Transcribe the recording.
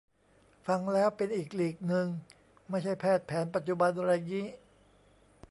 ฟังแล้วเป็นอีกลีกนึง ไม่ใช่แพทย์แผนปัจจุบันไรงี้